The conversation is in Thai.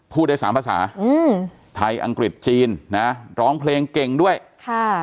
ได้สามภาษาอืมไทยอังกฤษจีนนะร้องเพลงเก่งด้วยค่ะ